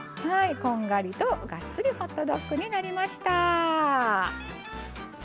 こんがりとがっつりホットドッグになりました。